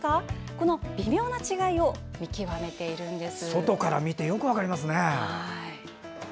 この微妙な違いを見極めているんです。